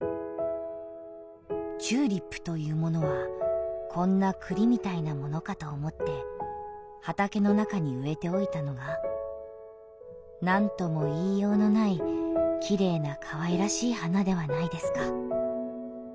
「チューリップというものはこんな栗みたいなものかと思って畑の中に植えておいたのがなんとも言いようのない綺麗な可愛らしい花ではないですか」。